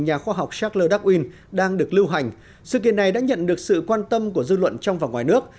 nhà khoa học charlewin đang được lưu hành sự kiện này đã nhận được sự quan tâm của dư luận trong và ngoài nước